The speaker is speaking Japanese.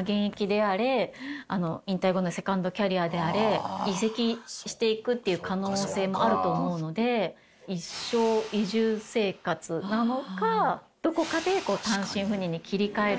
現役であれ引退後のセカンドキャリアであれ移籍していくっていう可能性もあると思うので一生移住生活なのかどこかで単身赴任に切り替えるのか。